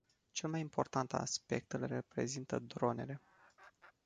Cel mai important aspect îl reprezintă dronele.